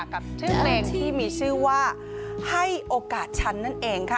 กับชื่อเพลงที่มีชื่อว่าให้โอกาสฉันนั่นเองค่ะ